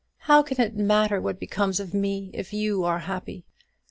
How can it matter what becomes of me, if you are happy?"